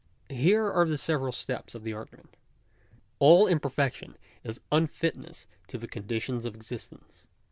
Here are the several steps of the argument. All imperfection is unfitness to the conditions of existence.